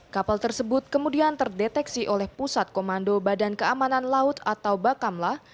kapal tersebut kemudian terdeteksi oleh pusat komando badan keamanan laut atau bakamlah